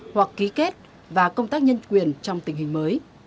hoặc ký kết và công tác nhân quyền trong tình hình mới